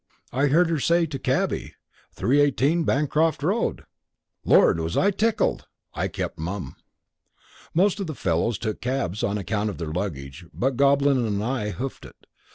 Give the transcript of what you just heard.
I heard her say to cabby: "318, Bancroft Road!" Lord, was I tickled? I kept mum. Most of the fellows took cabs, on account of their luggage, but Goblin and I hoofed it.